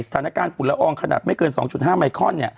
สถานการณ์ฝุ่นละอองขนาดไม่เกิน๒๕ไมค์คอน